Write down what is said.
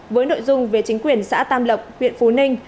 với nội dung về chính quyền xã tam lộc huyện phú ninh